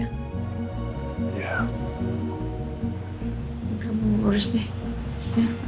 kamu urus deh